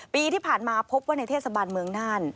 ปีที่ผ่านมาพบว่าในเทศบาลเมืองน่าน